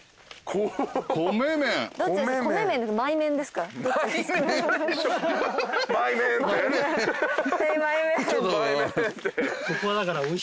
ここはだから。